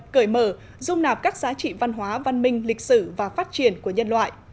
cởi mở dung nạp các giá trị văn hóa văn minh lịch sử và phát triển của nhân loại